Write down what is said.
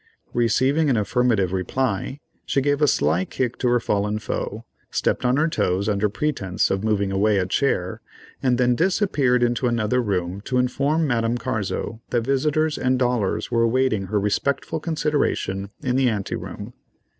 Receiving an affirmative reply, she gave a sly kick to her fallen foe, stepped on her toes under pretence of moving away a chair, and then disappeared into another room to inform Madame Carzo that visitors and dollars were awaiting her respectful consideration in the anteroom.